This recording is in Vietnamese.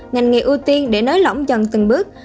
ngành nghề ưu tiên để nới lỏng dần từng bước